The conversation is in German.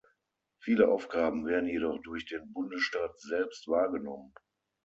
Viele Aufgaben werden jedoch durch den Bundesstaat selbst wahrgenommen.